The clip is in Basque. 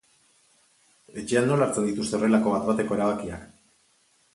Etxean nola hartzen dituzte horrelako bat-bateko erabakiak?